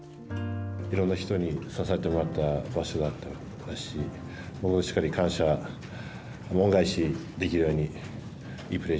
いろんな人に支えてもらった場所でしたし、しっかり感謝、恩返しできるように、いいプレー